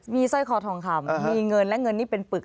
มีสร้อยคอทองคำมีเงินและเงินนี่เป็นปึก